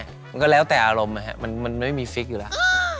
มันก็แล้วแต่อารมณ์มันไม่มีฟิกอยู่แล้ว